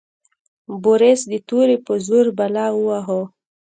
بوریس د تورې په زور بلا وواهه.